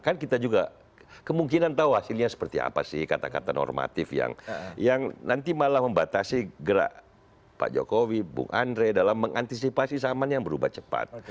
kan kita juga kemungkinan tahu hasilnya seperti apa sih kata kata normatif yang nanti malah membatasi gerak pak jokowi bung andre dalam mengantisipasi zaman yang berubah cepat